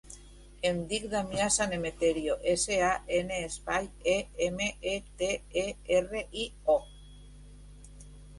Em dic Damià San Emeterio: essa, a, ena, espai, e, ema, e, te, e, erra, i, o.